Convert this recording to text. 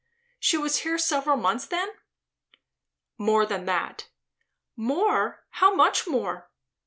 She was here several months, then?" "More than that" "More? How much more?"